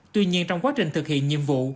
tuy nhiên trong quá trình thực hiện nhiệm vụ